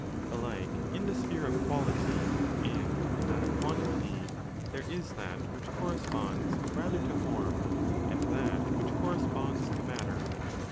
Alike in the sphere of quality and in that of quantity there is that which corresponds rather to form and that which corresponds to matter.